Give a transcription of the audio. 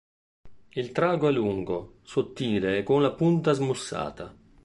Il trago è lungo, sottile e con la punta smussata.